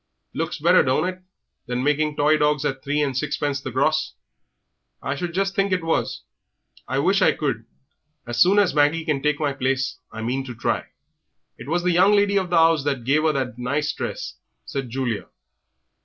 Looks better, don't it, than making toy dogs at three and sixpence the gross?" "I should just think it was. I wish I could. As soon as Maggie can take my place, I mean to try." "It was the young lady of the 'ouse that gave 'er that nice dress," said Julia.